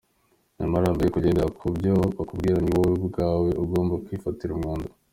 Nyamara mbere yuko ugendera ku byo bakubwira, ni wowe ubwawe ugomba kwifatira umwanzuro.